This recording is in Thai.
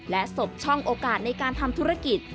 และสบช่องโอกาสในการทำธุรกิจ